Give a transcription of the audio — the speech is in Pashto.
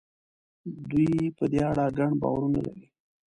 دوی په دې اړه ګڼ باورونه لري.